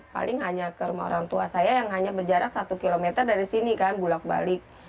paling hanya ke rumah orang tua saya yang hanya berjarak satu km dari sini kan bulak balik